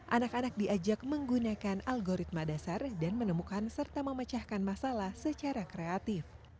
anak anak diajak menggunakan algoritma dasar dan menemukan serta memecahkan masalah secara kreatif